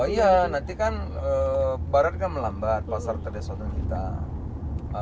oh iya nanti kan barat kan melambat pasar tradisional kita